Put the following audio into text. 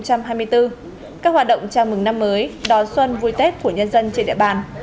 các hoạt động chào mừng năm mới đón xuân vui tết của nhân dân trên địa bàn